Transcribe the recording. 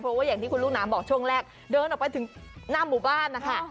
เพราะว่าอย่างที่คุณลูกน้ำบอกช่วงแรกเดินออกไปถึงหน้าหมู่บ้านนะคะ